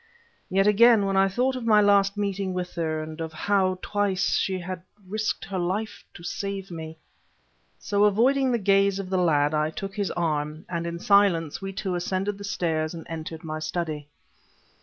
Yet, again, when I thought of my last meeting with her, and of how, twice, she had risked her life to save me... So, avoiding the gaze of the lad, I took his arm, and in silence we two ascended the stairs and entered my study...